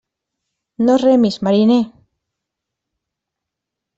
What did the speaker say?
No remis, mariner.